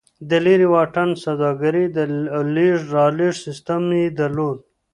د لېرې واټن سوداګري او لېږد رالېږد سیستم یې درلود